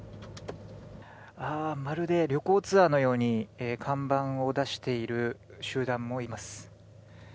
まるで旅行ツアーのように看板を出している集団もいます。